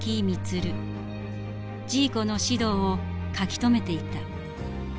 ジーコの指導を書き留めていた。